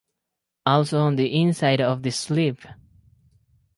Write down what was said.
Also on the inside of the sleeve.